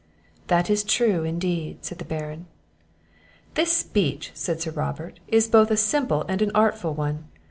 "That is true, indeed," said the Baron. "This speech," said Sir Robert, "is both a simple and an artful one.